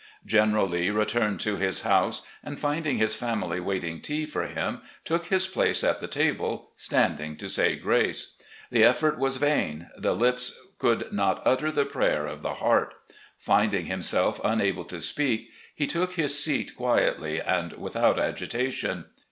"General Lee returned to his house, and, finding his family waiting tea for him, took his place at the table, standing to say grace. The effort was vain; the lips cotdd not utter the prayer of the heart. Finding himself unable to speak, he took his seat quietly and without agitation.